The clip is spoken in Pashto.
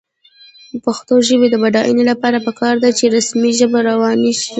د پښتو ژبې د بډاینې لپاره پکار ده چې رسمي ژبه روانه شي.